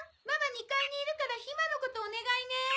ママ２階にいるからひまのことお願いね。